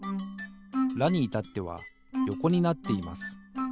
「ラ」にいたってはよこになっています。